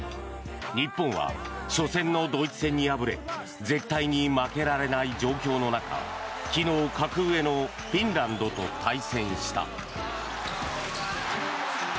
日本は初戦のドイツ戦に敗れ絶対に負けられない状況の中昨日格上のフィンランドと対戦した。